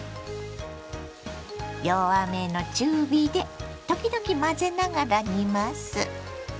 弱めの中火で時々混ぜながら煮ます。